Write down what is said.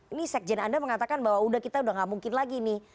ini sekjen anda mengatakan bahwa udah kita udah gak mungkin lagi nih